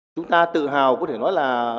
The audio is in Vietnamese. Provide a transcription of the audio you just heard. chúng ta tự hào có thể nói là